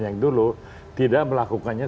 yang dulu tidak melakukannya